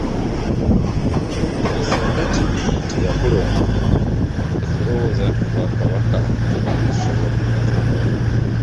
Singa teyakulonda, tetulowooza nti Obwakabaka bwandisobodde okutuuka wano.